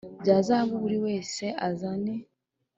bya zahabu Buri wese azani